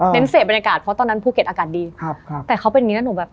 เสพบรรยากาศเพราะตอนนั้นภูเก็ตอากาศดีครับครับแต่เขาเป็นอย่างงี้แล้วหนูแบบ